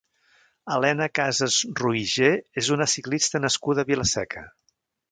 Helena Casas Roigé és una ciclista nascuda a Vila-seca.